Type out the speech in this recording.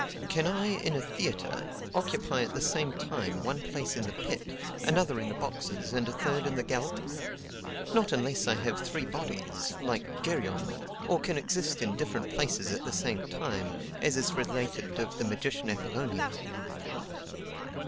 Can I, in a theatre, occupy at the same time one place in the pit, another in the boxes, and a third in the gallery? Not unless I have three bodies, like Geryon, or can exist in different places at the same time, as is related of the magician Apollonius.